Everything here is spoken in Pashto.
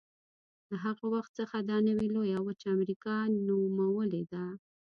له هغه وخت څخه دا نوې لویه وچه امریکا نومولې ده.